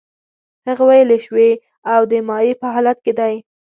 هغه ویلې شوی او د مایع په حالت کې دی.